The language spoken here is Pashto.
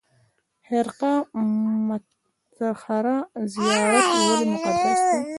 خرقه مطهره زیارت ولې مقدس دی؟